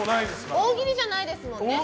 大喜利じゃないですもんね。